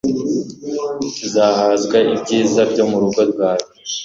Tuzahazwa ibyiza byo mu rugo rwawe